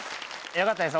よかったです